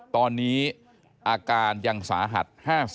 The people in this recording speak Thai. ตอนนี้อาการยังสาหัส๕๐